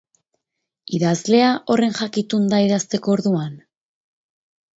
Idazlea horren jakitun da idazteko orduan?